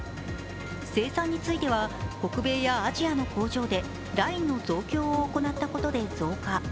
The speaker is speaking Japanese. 生産については北米やアジアの工場でラインの増強を行ったことで増加。